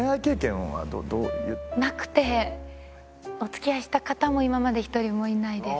お付き合いした方も今まで１人もいないです。